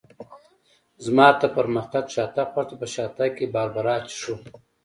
زما تر پرمختګ شاتګ خوښ دی، په شاتګ کې باربرا څښو.